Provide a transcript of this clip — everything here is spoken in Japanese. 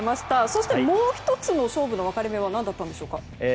そして、もう１つの勝負の分かれ目は何だったんでしょうか？